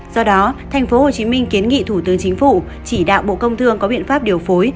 do đó tp hcm kiến nghị thủ tướng chính phủ chỉ đạo bộ công thương có biện pháp điều phối